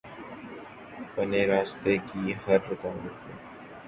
پنے راستے کی ہر رکاوٹ کو